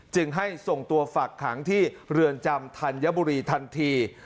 จึงให้ส่งตัวฝักขังที่เรือนจำธัญบุรีทันที